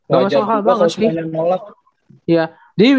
gak masuk akal banget sih